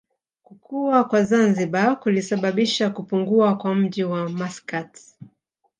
Kukua kwa Zanzibar kulisababisha kupungua kwa mji wa Maskat